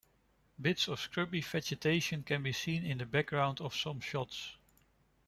Bits of scrubby vegetation can be seen in the background of some shots.